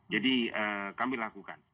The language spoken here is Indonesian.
jadi kami lakukan